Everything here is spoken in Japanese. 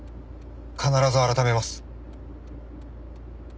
必ず改めます。